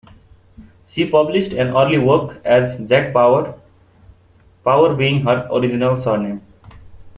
She published an early work as "Jack Power", Power being her original surname.